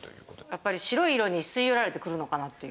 やっぱり白い色に吸い寄られてくるのかなって。